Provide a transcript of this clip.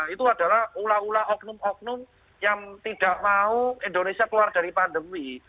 itu adalah ulah ulah oknum oknum yang tidak mau indonesia keluar dari pandemi